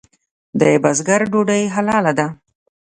د بزګر ډوډۍ حلاله ده؟